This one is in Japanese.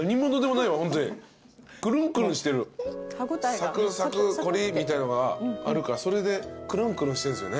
サクサクコリみたいなのがあるからそれでくるんくるんしてんすよね。